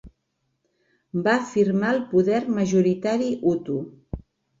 Va afirmar el poder majoritari hutu.